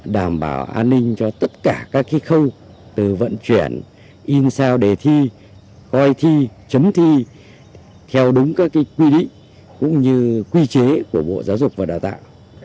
đảm bảo an ninh cho tất cả các khâu từ vận chuyển in sao đề thi coi thi chấm thi theo đúng các quy định cũng như quy chế của bộ giáo dục và đào tạo